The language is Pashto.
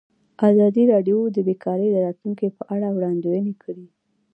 ازادي راډیو د بیکاري د راتلونکې په اړه وړاندوینې کړې.